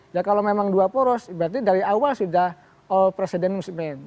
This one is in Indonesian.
ya kalau memang dua poros berarti dari awal sudah old president's men